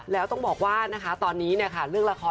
แล้วต้องบอกว่านะคะตอนนี้เนี่ยค่ะเรื่องละคร